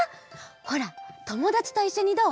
ほらともだちといっしょにどう？